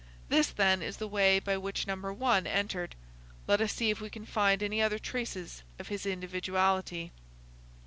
This, then, is the way by which Number One entered. Let us see if we can find any other traces of his individuality."